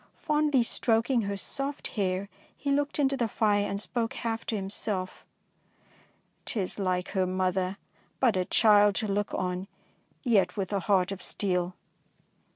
Fondly stroking her soft hair, he looked into the fire and spoke half to himself, — 'T is like her mother; but a child to look on, yet with a heart of steel."